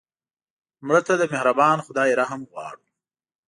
مړه ته د مهربان خدای رحم غواړو